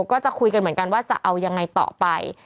ก็จะคุยกันเหมือนกันว่าจะเอายังไงต่อไป